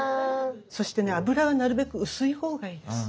そしてね油はなるべく薄い方がいいです。